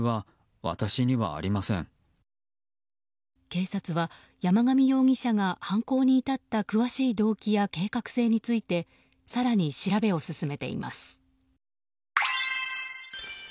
警察は山上容疑者が犯行に至った詳しい動機や計画性について更に調べを進めています。